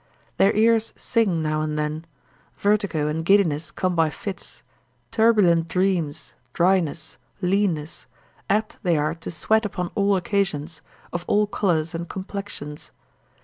Their ears sing now and then, vertigo and giddiness come by fits, turbulent dreams, dryness, leanness, apt they are to sweat upon all occasions, of all colours and complexions.